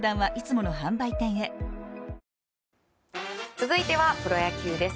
続いてはプロ野球です。